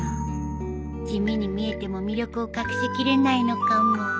地味に見えても魅力を隠しきれないのかも